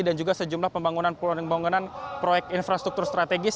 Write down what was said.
dan juga sejumlah pembangunan proyek infrastruktur strategis